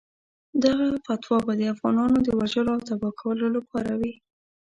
دغه فتوا به د افغانانو د وژلو او تباه کولو لپاره وي.